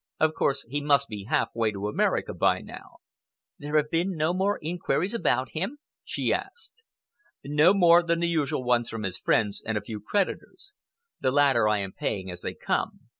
"Of course, he must be half way to America by now." "There have been no more inquiries about him?" she asked. "No more than the usual ones from his friends, and a few creditors. The latter I am paying as they come.